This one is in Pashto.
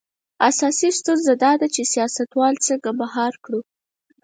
اساسي ستونزه دا ده چې سیاستوال څنګه مهار کړو.